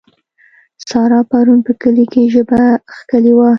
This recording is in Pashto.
سارا پرون په کلي کې ژبه کښلې وه.